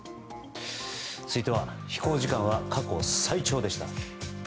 続いては飛行時間は過去最長でした。